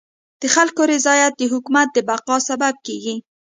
د خلکو رضایت د حکومت د بقا سبب کيږي.